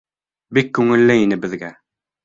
Бик күңелле ине беҙгә.